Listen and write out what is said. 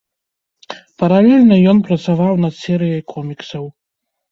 Паралельна ён працаваў над серыяй коміксаў.